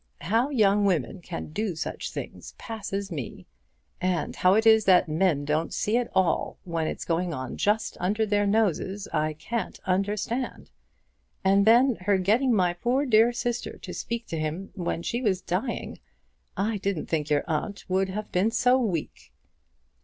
How young women can do such things passes me! And how it is that men don't see it all, when it's going on just under their noses, I can't understand. And then her getting my poor dear sister to speak to him when she was dying! I didn't think your aunt would have been so weak."